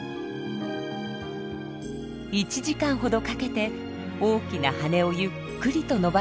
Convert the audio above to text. １時間ほどかけて大きな羽をゆっくりと伸ばしていきます。